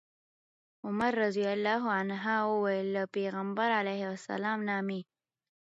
عمر رضي الله عنه وويل: له پيغمبر عليه السلام نه مي